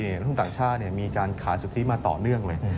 นักทุนต่างชาติมีการขายสุทธิมาต่อเนื่องเลย